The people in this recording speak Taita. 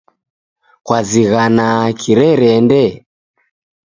Kwazighana kirerende?